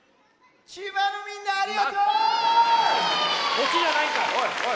こっちじゃないんかいおいおい。